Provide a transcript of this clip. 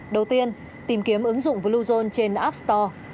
đầu tiên tìm kiếm ứng dụng bluezone trên app store